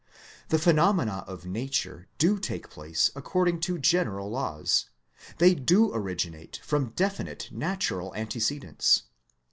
The phenomena of Nature do take place according to general laws. They do originate from definite natural antecedents.